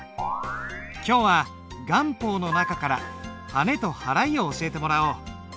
今日は顔法の中からはねと払いを教えてもらおう。